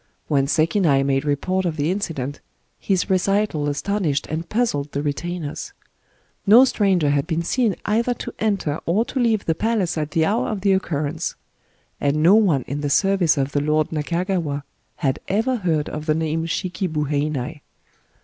When Sekinai made report of the incident, his recital astonished and puzzled the retainers. No stranger had been seen either to enter or to leave the palace at the hour of the occurrence ; and no one in the service of the lord Nakagawa had ever heard of the name " Shikibu Heinai."